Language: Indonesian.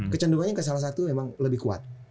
kecenderungannya ke salah satu memang lebih kuat